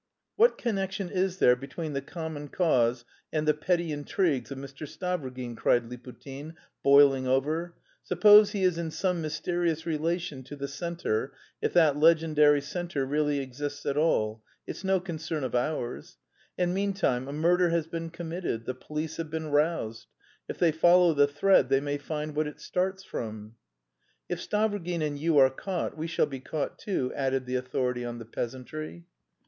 "What connection is there between the common cause and the petty intrigues of Mr. Stavrogin?" cried Liputin, boiling over. "Suppose he is in some mysterious relation to the centre, if that legendary centre really exists at all, it's no concern of ours. And meantime a murder has been committed, the police have been roused; if they follow the thread they may find what it starts from." "If Stavrogin and you are caught, we shall be caught too," added the authority on the peasantry.